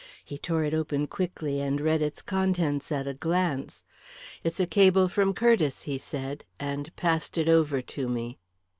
He tore it open quickly and read its contents at a glance. "It's a cable from Curtiss," he said, and passed it over to me.